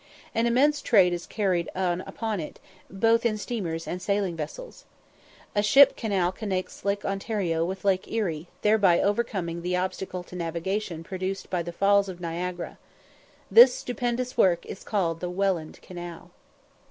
An immense trade is carried on upon it, both in steamers and sailing vessels. A ship canal connects Lake Ontario with Lake Erie, thereby overcoming the obstacle to navigation produced by the Falls of Niagara. This stupendous work is called the Welland Canal.